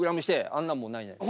あんなんもうないない。